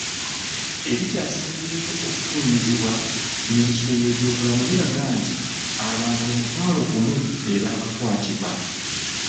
Ebikyasembyewo okufulumizibwa Minisitule y'ebyobulamu biraga nti abantu omutwalo gumu be baakakwatibwa.